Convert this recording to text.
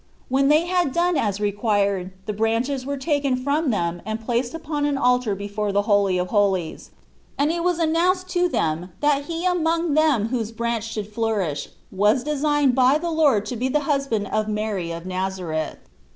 When they had done as required the branches were taken from them and placed upon an altar before the Holy of Holies, and it was announced to them that he among them whose branch should flourish was designed by the Xorfc Jesus (Ibrtet. 5 Lord to be the husband of Mary of Nazareth.